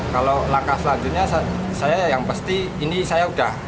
kalau langkah selanjutnya saya yang pasti ini saya udah